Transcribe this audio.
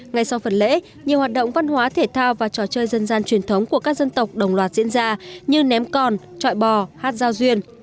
ngay sau phần lễ nhiều hoạt động văn hóa thể thao và trò chơi dân gian truyền thống của các dân tộc đồng loạt diễn ra như ném còn trọi bò hát giao duyên